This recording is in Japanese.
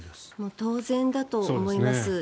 当然だと思います。